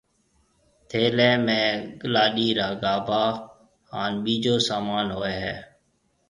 ٿَيلي ۾ لاڏيِ را گاڀاها هانَ ٻِيجو سامان هوئي هيَ۔